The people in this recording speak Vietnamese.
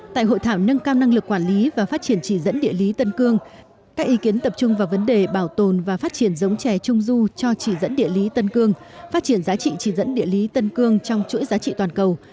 tại hội thảo nâng cao năng lực quản lý và phát triển chỉ dẫn địa lý tân cương các ý kiến tập trung vào vấn đề bảo tồn và phát triển giống chè trung du cho chỉ dẫn địa lý tân cương phát triển giá trị chỉ dẫn địa lý tân cương trong chuỗi giá trị toàn cầu